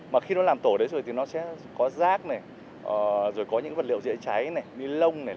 mà khi nó làm tổ đấy rồi thì nó sẽ có rác này rồi có những vật liệu dễ cháy này ni lông này